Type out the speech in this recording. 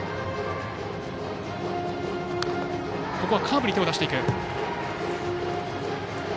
ここはカーブに手を出していく。